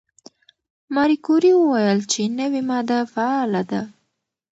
ماري کوري وویل چې نوې ماده فعاله ده.